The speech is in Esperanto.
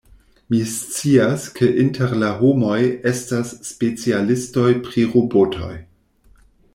Mi scias, ke inter la homoj estas specialistoj pri robotoj.